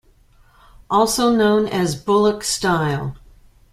Also known as "bullock style".